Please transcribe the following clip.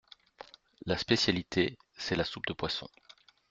La spécialité, c’est la soupe de poisson.